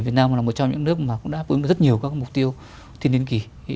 việt nam là một trong những nước mà cũng đáp ứng được rất nhiều các mục tiêu thiên niên kỳ